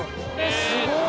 すごい。